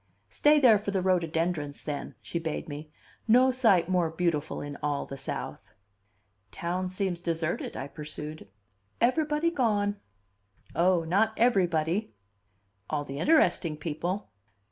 "Stay there for the rhododendrons, then," she bade me. "No sight more beautiful in all the South." "Town seems deserted," I pursued. "Everybody gone." "Oh, not everybody!" "All the interesting people."